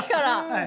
はい。